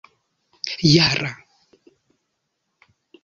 jara